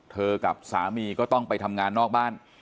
กับสามีก็ต้องไปทำงานนอกบ้าน